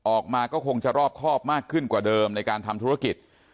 ออกมาก็คงจะรอบครอบมากขึ้นกว่าเดิมในการทำธุรกิจ